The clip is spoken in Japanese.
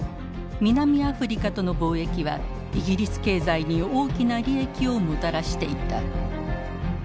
南アフリカとの貿易はイギリス経済に大きな利益をもたらしていた。